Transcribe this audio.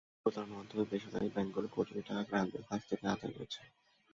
প্রতারণার মাধ্যমে বেসরকারি ব্যাংকগুলো কোটি কোটি টাকা গ্রাহকদের কাছ থেকে আদায় করছে।